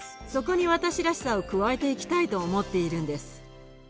そこに私らしさを加えていきたいと思っているんです。